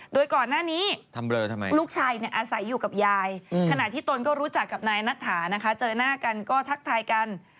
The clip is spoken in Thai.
โดยก่อนหน้านี้ลูกชายอาศัยอยู่กับยายขณะที่ตนก็รู้จักกับนายนัทถานะคะเจอหน้ากันก็ทักทายกัน